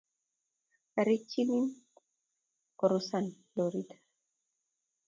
arikikyini korusan lorit raoni.